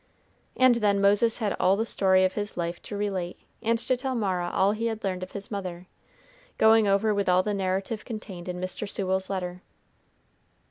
And then Moses had all the story of his life to relate, and to tell Mara all he had learned of his mother, going over with all the narrative contained in Mr. Sewell's letter.